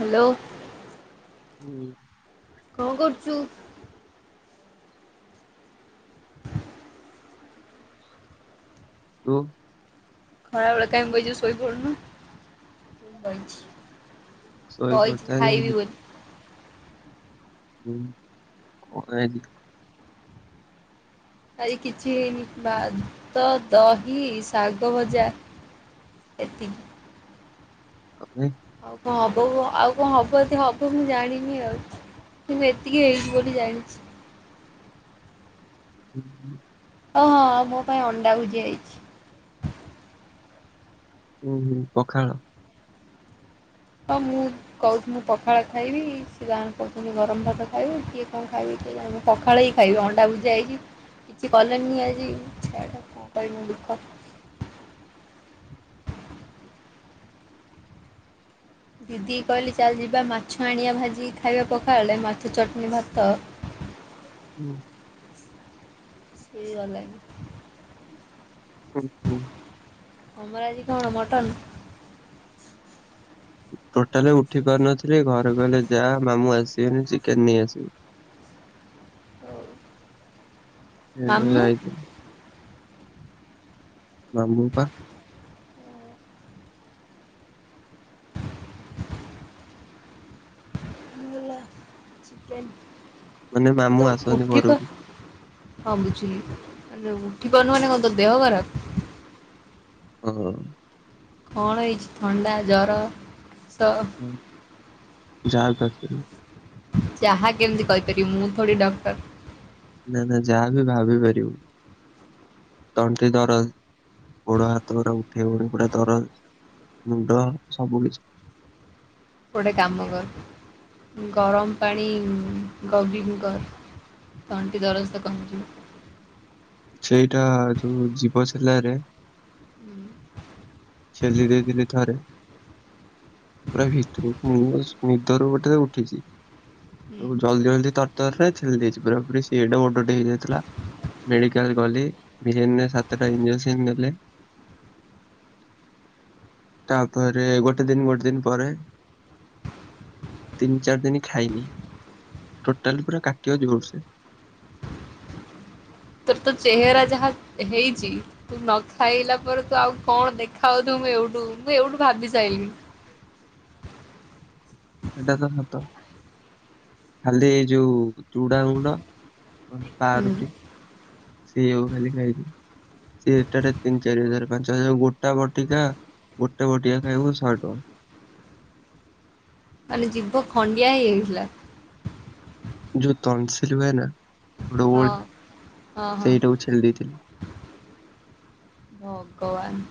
Hello. ହୁଁ। କଁ କରୁଚୁ? ତୁ। ଖରା ବେଳେ କାଇଁ ବଇଚୁ ସୋଇ ପଡୁନୁ। ମୁଁ ବଇଚି ଶୋଇ ବଇଛି ପଡିଥାନ୍ତି ଖାଇବି ବୋଲି। ହୁଁ କଁ ହେଇଛି। ଆଜି କିଛି ହେଇନି ଭାତ, ଦହି, ଶାଗ ଭଜା। ଏତିକି। ଅଉ ନାଇ। ଆଉ କଁ ହବ କଁ ଆଉ କଁ ହବ ଯଦି ହବ ମୁଁ ଜାଣିନି ଆଉ। କିନ୍ତୁ ଏତିକି ହେଇଛିି ବୋଲି ଜାଣିଛି। ହୁଁ। ଓ ହଁ ଆଉ ମୋ ପାଇଁ ଅଣ୍ଡା ଭୁଜିଆ ହେଇଛି। ଉଁ, ହୁଁ ପଖାଳ। ହଁ ମୁଁ କହୁଛିି ମୁଁ ପଖାଳ ଖାଇବି। ସିଏ ତାଙ୍କର କହୁଛନ୍ତି ଗରମ ଭାତ ଖାଇବେ କିଏ କଣ ଖାଇବେ କିଏ ଜାଣେ ମୁଁ ପଖାଳ ହିଁ ଖାଇବି ଅଣ୍ଡା ଭୁଜିଆ ହେଇଛି। କିଛି କଲେନି ଆଜି ଛାଡ କଁ କହିବି ମୋ ଦୁଃଖ। ଦିଦି କି କହିଲି ଚାଲ ଯିବା ମାଛ ଆଣିବା ଭାଜି କି ଖାଇବା ପଖାଳ ରେ ମାଛ ଚଟଣି ଭାତ। ହୁଁ। ହେଇ ଗଲାଣି। ହୁଁ ହୁଁ। ତମର ଆଜି କଣ ମଟନ? ଟୋଟାଲି ଉଠି ପାରୁନଥିଲି ଘରେ କହିଲେ ଯା ମାମୁଁ ଆସିବେନି ଚିକେନ ନେଇ ଆସିବୁ। ହଉ। ଏଣ୍ଡରେ ମାମୁଁ ଯାଇଥିଲି। ମାମୁଁ ପା। ଏ ମାନେ ମାମୁଁ ତ ଆସନ୍ତି ଉଠି ପର ଘରକୁ ହଁ ବୁଝିଲି ଆ ଉଠି ପାରୁନୁ ମାନେ କଣ ତ ଦେହ ଖରାପ। ହଁ। କଣ ହେଇଚି ଥଣ୍ଡା ଜର କାସ ହଁ ଯାହା ବି ଭାବି ପାରିବ। ଯାହା କେମିତି କହିପାରିବି ମୁଁ ଥଡି ଡକ୍ଟର। ନା ନା ଯାହା ବିି ଭାବି ପାରିବ। ତଣ୍ଟି ଦରଜ ଗୋଡ ହାତ ପୁରା ଉଠେଇ ହଉନି ପୁରା ଦରଜ। ମୁଣ୍ଡ ସବୁ କିଛି। ଗୋଟେ କାମ କର ଗରମ ପାଣି ଗଗଲିଙ୍ଗ କର। ତଣ୍ଟି ଦରଜ ତ କମିଯିବ। ସେଇଟା ଯୋଉ ଯିବ ଛେଲାରେ ହୁଁ। ଛେଲି ଦେଇିଥିଲି ଥରେ ପୁରା ଭିତରୁକୁ ମୁ ବାସ ନିଦରୁ ଗୋଟେ ଉଠିଚି। ହୁଁ ଜଲଦି ଜଲଦି ତର ତର ରେ ଛେଲି ଦେଇଚି ପୁରା ପୁରି ସିଏ ଏଡ଼େ ବଡ ଟେ ହେଇଯାଇଥିଲା। ମେଡିକାଲ ଗଲି, ଭେନ୍ ରେ ସାତଟା ଇଞ୍ଜେକ୍ସନ ଦେଲେ। ତାପରେ ଗୋଟେ ଦିନ ଗୋଟେ ଦିନ ପରେ ତିନି ଚାରି ଦିନ ଖାଇନି ଟୋଟାଲି ପୁରା କାଟିବ ଜୋର ସେ। ତୋର ତ ଚେହେରା ଯାହା ହେଇଚି ତୁ ନଖାଇଲା ପରେ ତୁ ଆଉ କଣ ଦେଖାଆଉଥୁବୁ ମୁଁ ଏଇଠୁ ମୁଁ ଏଇଠୁ ଭାବି ସାଇଲିଣି। ସେଇଟା ତ ସତ। ଖାଲି ଏ ଯୋଉ ଚୁଡା ଗୁଣ୍ଡ। ନଲେ ପାଁ ହୁଁ ରୁଟି ସେଇଆ କୁ ଖାଲି ଖାଇଚି। ସେଟାରେ ତିନି ଚାରି ହଜାର ପାଞ୍ଚ ହଜାର ଗୋଟା ବଟିକା ଗୋଟେ ବଟିକା ଖାଇବୁ ସହେ ଟଙ୍କା। ମାନେ ଜୀଭ ଖଣ୍ଡିଆ ହେଇଯାଇଥିଲା। ଯୋଉ ତନସିଲ ହୁଏ ନା ହଁ ଡୱେଟ୍ ହଁ ହଁ। ସେଇଟାକୁ ଛେଲି ଦେଇଥିଲି। ଭଗବାନ।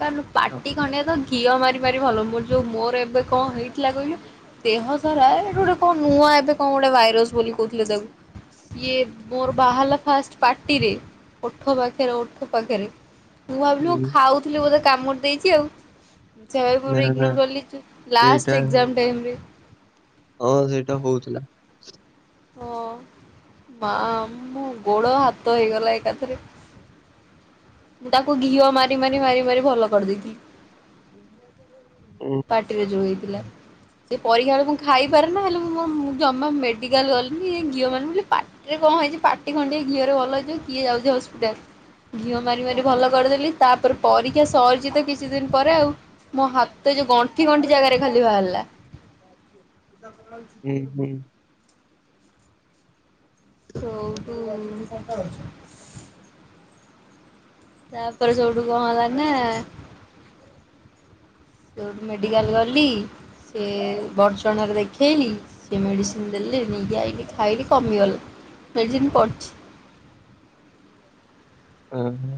କାରଣ ତ- ପାଟି ଖଣ୍ଡିଆ ତ ଘିଅ ମାରି ମାରି ଭଲ ମୋର ଯୋଉ ମୋର ଏବେ କଣ ହେଇଥିଲା କହିଲୁ ଦେହ ସାରା ଏବେ ଗୋଟେ କଣ ନୂଆ ଏବେ କଣ ଗୋଟେ ଭାଇରସ ବୋଲି କହୁଥିଲେ ତାକୁ ସିଏ ମୋର ବାହାରଲା ଫାଷ୍ଟ ପାର୍ଟିରେ ଓଠ ପାଖରେ ଓଠ ପାଖରେ ମୁଁ ଭାବିଲି ମୁ ହୁଁ ଖାଉଥିଲି ବୋଧେ କାମୁଡି ଦେଇଚି ଆଉ। ସେୟା ନା ଭାବି ନା ଇଗନୋର କରିଲିଚି ସେଇଟା ଲାଷ୍ଟ ଏଜ ଟାଇ ରେ। ହଁ ସେଇଟା ହଉଥିଲା। ହଁ ମା ମ ଗୋଡ଼ ହାତ ହେଇଗଲା ଏକାଥରେ। ମୁଁ ତାକୁ ଘିଅ ମାରି ମାରି ମାରି ମାରି ଭଲ କରିଦେଇଥିଲି। ଉଁ ପାଟିରେ ଯୋଉ ହେଇଥିଲା। ସେ ପରୀକ୍ଷା ବେଳେ ମୁଁ ଖାଇପାରେ ନ ହେଲେ ମୁଁ ଜମା ମେଡିକାଲ ଗଲିଣିି ଘିଅ ମାନେ ବୋଲି ପା ଏ କଣ ହେଇଚି ପାଟି ଖଣ୍ଡି ଘିଅରେ ଭଲ ହେଇଯିବ କିଏ ଯାଉଚି ହସ୍ପିଟାଲ ଘିଅ ମାରି ମାରି ଭଲ କରିଦେଲି ତାପରେ ପରୀକ୍ଷା ସରିଚି ତ କିଛି ଦିନ ପରେ ଆଉ ମୋ ହାତ ଏ ଯୋଉ ଗଣ୍ଠି ଗଣ୍ଠି ଜାଗାରେ ଖାଲି ବାହାରିଲା। [inaudible] ହୁଁ ହୁଁ। ସ [unintelligible] ତାପରେ ସେଉଠୁ କଣଲା ନା ସେଉଠୁ ମେଡିକାଲ ଗଲି ସେ ବର୍ଚଣାରେ ଦେଖେଇଲି। ସିଏ ମେଡ଼ିସିନ ଦେଲେ ନେଇକି ଆଇକି ଖାଇକି କମିଗଲା ମେଡ଼ିସିନ ପଡିଛି। ହଁ ହଁ।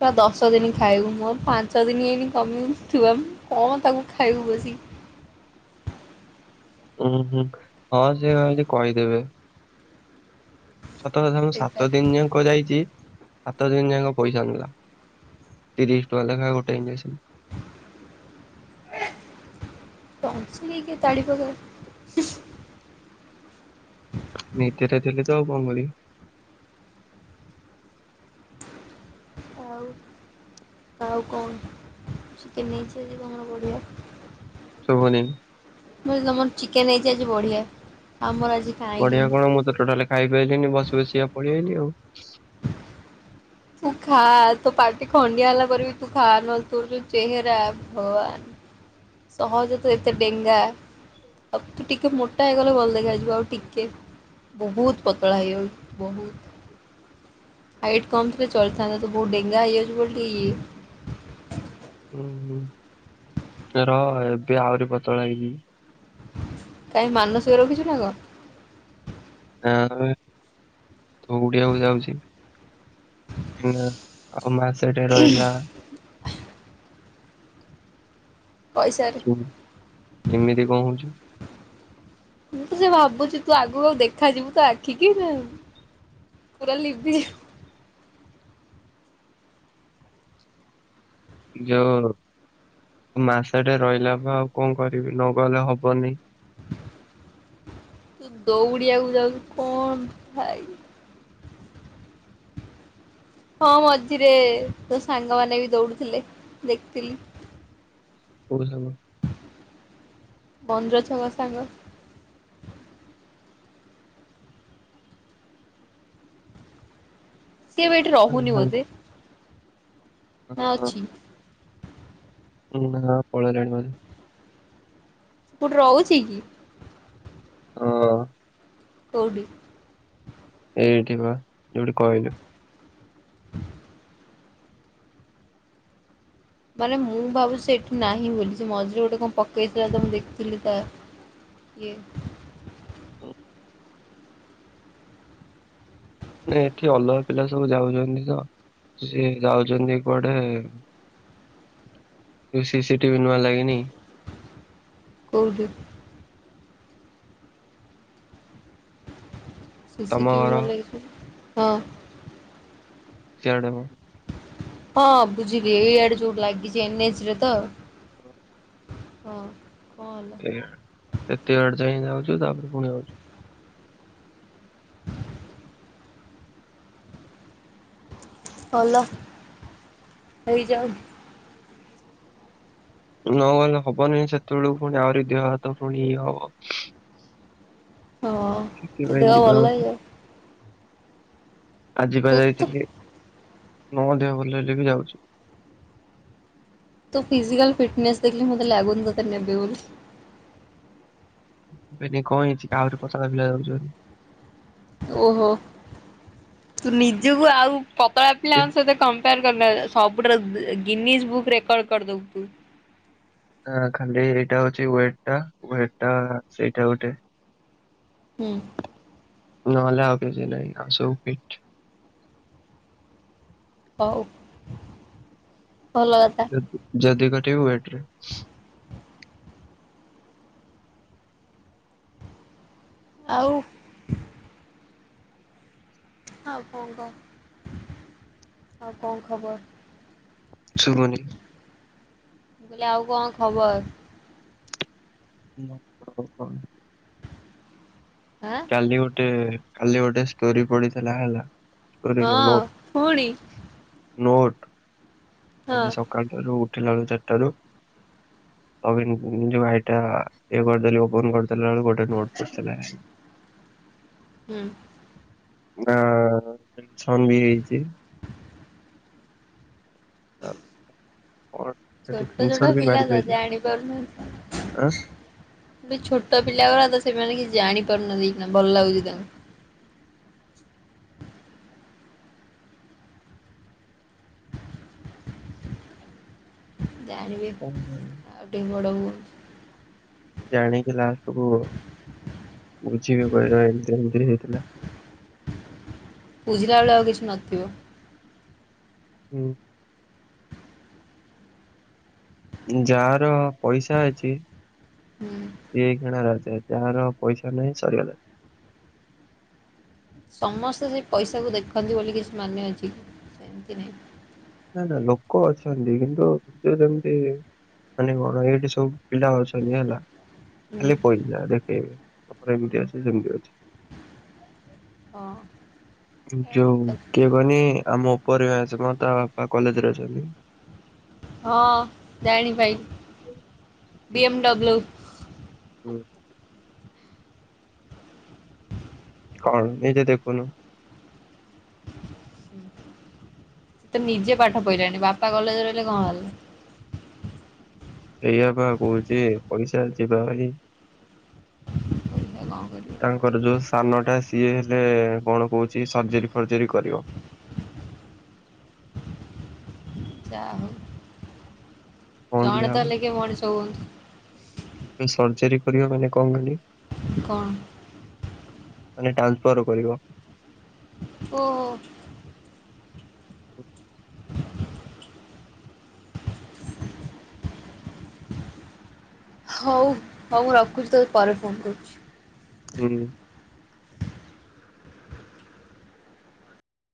ପ ଦଶ ଦିନ ଖାଇବୁ ମୁଁ ପାଞ୍ଚ ଦିନ ଏଇନି କମିବ ଥିବା କଣ ତାକୁ ଖାଇବୁ ବସି। ଉୁଁ ହୁଁ ହଁ ସେ କହେ କହିଦେବେ। ସତ କଥା ବେକାର ସାତ ଦିନ ଯା ଯାଇଛି ସାତ ଦିନ ଯାକ ପଇସା ନେଲା ତିରିଶ ଟଙ୍କା ଲେଖାଏ ଗୋଟେ ଇଞ୍ଜେକ୍ସନ। [unintelligible] ତାଡିପକେଇବ। ନୀତ ରାତିକ ତ ଆଉ କଣ କରିବି ଆଉ ଆଉ କଣ ଚିକେନ୍ ହେଇଛି ଆଜି ତମର ପଢିଆ। ଶୁଭୂନି। ମ ତମର ଚିକେନ ହେଇଛି ଆଜି ବଢିଆ ଆମର ଆଜି ବଢିଆ କାହିଁକେନି କଣ ମୁଁ ତ ଟୋଟାଲି ଖାଇ ପଇଲିିନୀ ବସି ବସିଆ ପଳେଇଲି ଆଉ ତୁ ଖା ତୁ ପାାର୍ଟି ଖଡିଆଲା କରିକ ତୁ ଖା ନ ହେଲେ ତୋର ଜଉ ଚେହରା ଭଗବାନ ସହଜ ତ ଏତେ ଡେଙ୍ଗା ଆବ ତ ଟିକେ ମୋଟ ଟାଗଲେ ଭଲ ଦେଖାଯ ହୁଁ ଆସିବ ଆଉ ଟିକ କେ ବହୁତ ପତଳା ହେଇ ଜାଉ ବହୁତ ହାଇଟ୍ କମ୍। ଚଳିଥାନ୍ତା ତୁ ବହୁତ ଡେଙ୍ଗା ହେଇଯଛି ବ ଉୁଁ ହୁଁ ର ଏବେ ଆହୁରି ପତଳା ହେଇଜିବି। କାହିଁ ମାନସିକ ରଖିଛୁ ନା କଣ। ନା ଦାଉଡିବାକୁ ଯାଉଛି। [unintelligible] ଆଉ ମାସେଟେ ରହିଲା। ପଇସାରେ। ହୁ ଏମିତି କ ହଉଛି। ମୁଁ ତ ସେ ଭାବୁଛି ତୁ ଆଗକୁ ଆଉ ଦେଖାଯିବୁ ତ ଆଖିକି। ପୁରା ଲିିବି ଯୋଉ ମାସଟେ ରହିଲା ବା ଆଉ କଣ କରିବି ନ ଗଲେ ହବନି। ତୁ ଦୌଡିିବାକୁ ଯାଉଛୁ କଣ ଭାଇ। ହଁ ମଝିରେ ତୋ ସାଙ୍ଗମାନେ ବି ଦୌଡୁଥିଲେ ଦେଖିଥିଲି। କୋଉ ସାଙ୍ଗ। ବନ୍ଦର ଛକ ସାଙ୍ଗ। ସିଏ ଏଠି ରହୁନି ସାଙ୍ଗ ବୋଧେ। ନା ଅଛି। ନା ପଳେଇଲାଣି ବଧେ। କୋଉଠି ରହୁଛି କି? ହଁ। କଉଡି? ଏଇଠି ବା ଯୋଉଠି କହିଲୁ। [inaudible] ମାନେ ମୁଁ ଭାବୁଛି ସେ ଏଠି ନାହିଁ ବୋଲି ସେ ମଝିରେ ଗୋଟେ କଣ ପକେଇଥିଲା ତ ମୁଁ ଦେଖିଥିଲି ତା ଇଏ ନାଇଁ ଏଠି ଅଲଆ ପିଲା ସବୁ ଯାଉଛନ୍ତି ତ ସି ଯାଉଛନ୍ତି କୁଆଡେ ସିସିଟିଭି ନୂଆ ଲାଗିନି। କଉଡି? ସିସିି ତମ ଟିଭି ଘର ନୂଆ ଲାଗିଚି ହଁ। ସୀଆଡେ ମ। ହଁ ବୁଝିଲି ଏଇଆଡେ ଯୋଉ ଲାଗିଛି ଏନଏଚରେ ତ। ହଁ କ ଏଲା ଆଡେ ସେତେ ଆଡେ ଯାଇଁ ଯାଉଚୁ ତାପରେ ପୁଣି ଆଉଚୁ। ଭଲ ହେଇଯାଉ। ନ ଗଲେ ହବନି ସେତେବେଳୁ ଫୁଣି ଆହୁରି ଦେହ ହାତ ଫୁଣି ଇଏ ହବ। ହଁ ତ ସେଥିପାଇଁ ଦେହ ଯିବା ଭଲ କଥା। ହେଇଯାଉ। ଆଜିିପା ତୁ ତୁ ଯାଇଥିଲି ନଅ ଦେହ ଭଲ ହେଲେ ବି ଯାଉଚି। ତୋ ଫିଜିକଲ ଫିଟନେସ ଦେଖିଲେ ମତେ ଲାଗୁନି ତତେ ନେବେ ବୋଲି। ନେବେନି କଣ ହେଇଛି ଆହୁରି ପତଳା ପିଲା ଯାଉଚନ୍ତି। ଓହୋ ତୁ ନିଜକୁ ଆଉ ପତଳା କି ପିଲାଙ୍କ ସହିତ କମ୍ପାୟାର [unintelligible] ସବୁଠାରୁ ଗିନିଜ୍ ବୁକ ରେକର୍ଡ କରିଦବୁ ତୁ। ହ ଖାଲି ଏଇଟା ହଉଛି ୱେଟ ଟା ୱେଟ ଟା ସେଇଟା ଗୋଟେ ହୁଁ। ନଏଲେ ଆଉ କିଛି ନାଇଁ ଆଉ ସବୁ ପିଟ। ହଉ ଭଲ କଥା। ଯଦି କାଟିବୁ ୱେଟ ରେ। ଆଉ ଆଉ କଣ କ ଆଉ କଣ ଖବର? ଶୁଭୁନି। ମୁ କଇଲୀ ଆଉ କଣ ଖବର? ମତେ ଆଉ କହନି। ହା। କାଲି ଗୋଟେ କାଲି ଗୋଟେ ଷ୍ଟୋରି ପଡିଥିଲା ହେଲା। କରିନୁ ହଁ ନୋଟ୍ ପୁଣି ନୋଟ୍ ହଁ ଆଜି ସ ଠାରୁ ଉଠିଲା ଆଳୁ ଚାରିଟାରୁ କ ପାଇଁ ନିଜ ଭାଇଟା ଇଏ କରିଦେଲି ଓପନ କରିଦେଲା ବେଳ କୁ ଗୋଟେ ନୋଟ ପଡଥିଲା। ହୁଁ। ନା ଛନ୍ଦି ହେଇଛି। [inaudible] କଣ? ସେଠୁ ଛୋଟ ଛୋଟ ସ୍କ୍ରିନସଟ ବି ମାରି ପିିଲା ତ ପାଇଲି ଜାଣି ଆଁ ପାରୁନାହାଁନ୍ତି। ଏବେ ଛୋଟ ପିଲା ଗୁରା ତ ସେମାନେ କିଛି ଜାଣିପାରୁନାହାନ୍ତି ଏହି ଖୀନା ଭଲ ଲାଗୁଛି ତାଙ୍କୁ। ଜାଣିବେ କଣ ଆଉ ଟିକେ ବଡ଼ ହୁଅନ୍ତୁ। ଜାଣିକି ଲାଷ୍ଟ କୁ ବୁଝିବେ କହିବା ଏମତି ଏମିତି ହେଇଥିଲା। ବୁଝିଲାଳୁ ଆଉ କିଛି ନଥିବ। ହୁଁ। ଯାହାର ପଇସା ଅଛି ହୁଁ। ସିଏ କିଣା ରାଜା ଯାହାର ପଇସା ନାହିଁ ସରିଗଲା। ସମସ୍ତେ ସେ ପଇସାକୁ ଦେଖନ୍ତି ବୋଲି କିଛି ମାନେ ଅଛି ସେମିତି ନାହିଁ। ନା ନା ଲୋକ ଅଛନ୍ତି କିନ୍ତୁ ସେ ଯେମିତି ମାନେ କଣ ଏଇଠି ସବୁ ପିଲା ଅଛନ୍ତି ହେଲା। ହୁଁ ଖାଲି ପଇସା ଦେଖେଇବେ ଆମର ଏମିତି ଅଛି ସେମିତି ହଁ ଅଛି। ଏଇଟା ଠିକ୍ ଯଉ କଥା କିଏ କନି ଆମ ଓପର ବ୍ୟାଚ୍ ତା ବାପା କଲେଜ ରେ ଅଛନ୍ତି। ହଁ ଜାଣି ପାଇଲି ବି ହୁଁ ଏମ୍ ଡବୁଲୁ। ହୁଁ। କଣ ନିଜେ ଦେଖୁନୁ। ତ ନିଜେ ପାଠ ପଢିଲାଣି ବାପା କଲେଜ ରହିଲେ କଣ ହେଲା। ସେଇଆ ବା କହୁଛି ପଇସା ଯିବା ହାରି ଏ କଁ କରିବ? ତାଙ୍କର ଯୋଉ ସାନ ଟା ସିଏ ହେଲେ କଣ କହୁଛି ସର୍ଜରି ଫର୍ଜରି କରିବ। ଯାଆ ହୋଉ କଣ ଜଣେ ତ ଦିଆହବ ହେଲେ କିଏ ମଣିଷ ହୁଅନ୍ତୁ। ଏ ସର୍ଜରୀ କରିବା ମାନେ କଣ କରିବ? କଣ ମାନେ ଟ୍ରାନ୍ସଫର କରିବ। ଓ। ହଉ ହଉ ମୁଁ ରଖୁଛି ତୋତେ ପରେ ଫୋନ୍ କରୁଚି। ଯିବି।